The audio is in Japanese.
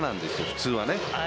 普通はね。